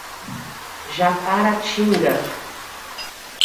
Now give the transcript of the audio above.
Japaratinga